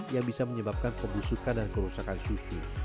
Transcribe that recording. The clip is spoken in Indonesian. yang bisa menyebabkan pembusukan dan kerusakan susu